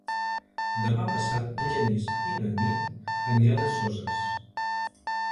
Demà passat en Genís i na Nit aniran a Soses.